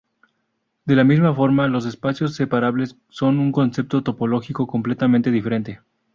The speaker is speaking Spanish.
De la misma forma, los espacios separables son un concepto topológico completamente diferente.